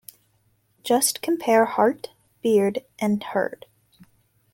Just compare heart, beard and heard